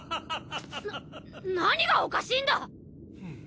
なっ何がおかしいんだ！